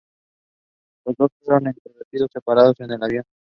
Los dos fueron entrevistados separadamente en el avión.